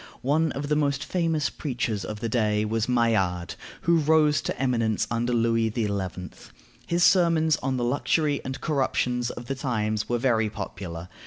One of the most famous preachers of the day was Maillard, who rose to eminence under Louis XI. His sermons on the luxury and corruptions of the times were very popular.